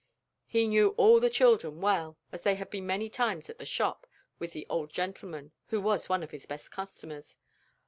He knew all the children well, as they had been many times at the shop with the old gentleman, who was one of its best customers.